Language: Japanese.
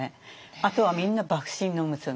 あとはみんな幕臣の娘。